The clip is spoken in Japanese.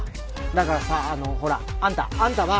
だからさほらあんたあんたは